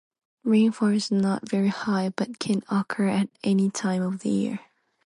Rainfall is not very high but can occur at any time of the year.